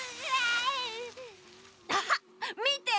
アハッみて！